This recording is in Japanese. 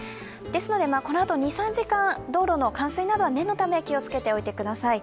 ですのでこのあと２３時間道路の冠水などは念のため気を付けておいてください。